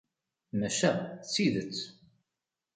Maca d tidet.